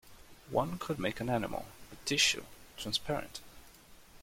One could make an animal — a tissue — transparent!